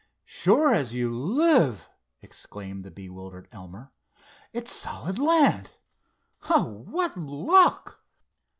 "Sure as you live," exclaimed the bewildered Elmer. "It's solid land—oh, what luck!"